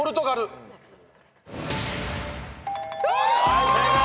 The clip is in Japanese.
はい正解。